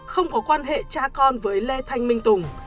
không có quan hệ cha con với lê thanh minh tùng